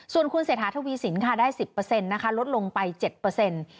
ส่วนคุณเสถาธวีสินได้๑๐เปอร์เซ็นต์ลดลงไป๗เปอร์เซ็นต์